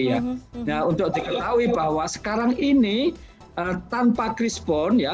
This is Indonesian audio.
nah untuk diketahui bahwa sekarang ini tanpa chris bond